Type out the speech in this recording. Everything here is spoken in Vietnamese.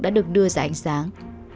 đã được đưa ra ánh sáng